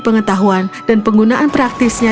pengetahuan dan penggunaan praktisnya